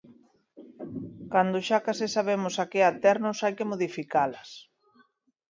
Cando xa case sabemos a que aternos, hai que modificalas.